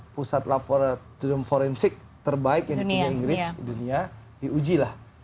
pusat laboratorium forensik terbaik yang punya inggris dunia diuji lah